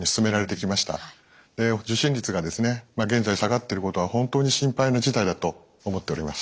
受診率が現在下がっていることは本当に心配な事態だと思っております。